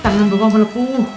tangan gue mau melepu